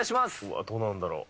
どうなんだろう。